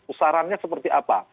usaranya seperti apa